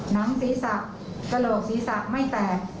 น้ำสีสักกระโหลกสีสักไม่แตก